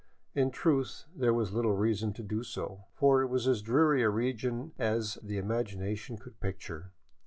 In truth there was little reason to do so, for it was as dreary a region as the imagination could picture.